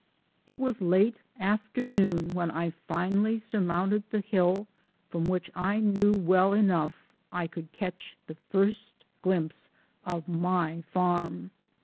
It was late afternoon when I finally surmounted the hill from which I knew well enough I could catch the first glimpse of my farm.